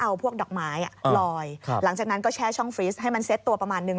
เอาพวกดอกไม้ลอยหลังจากนั้นก็แช่ช่องฟรีสให้มันเซ็ตตัวประมาณนึง